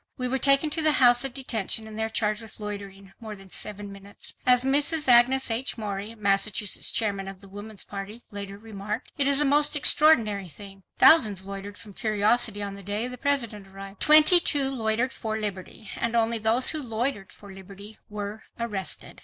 "We were taken to the House of Detention and there charged with 'loitering more than seven minutes'." As Mrs. Agnes H. Morey, Massachusetts Chairman of the Woman's Party, later remarked: "It is a most extraordinary thing. Thousands loitered from curiosity on the day the President arrived. Twenty two loitered for liberty, and only those who loitered for liberty were arrested."